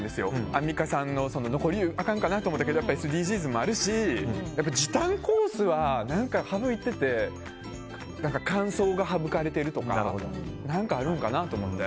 アンミカさんの残り湯あかんかなって思ったけどＳＤＧｓもあるし時短コースは何かを省いていて乾燥が省かれているとか何かあるのかなと思って。